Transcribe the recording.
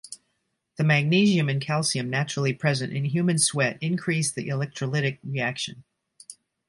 The magnesium and calcium naturally present in human sweat increase the electrolytic reaction.